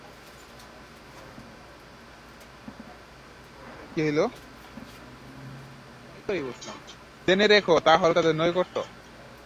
জেনে রেখো, তা হল তাদের নৈকট্য।